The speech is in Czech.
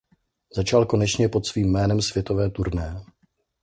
Začal konečně pod svým jménem světové turné.